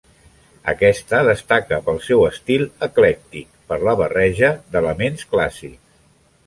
Aquesta destaca pel seu estil eclèctic, per la barreja d'elements clàssics.